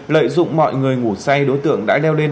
lợi dụng mọi người ngủ say đối tượng đã leo lên